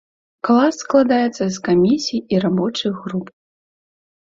Клас складаецца з камісій і рабочых груп.